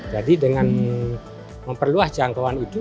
jadi dengan memperluas jangkauan itu